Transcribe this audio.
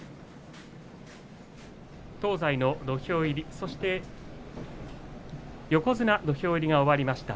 東西の土俵入り横綱土俵入りが終わりました。